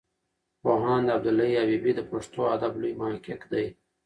پوهاند عبدالحی حبیبي د پښتو ادب لوی محقق دی.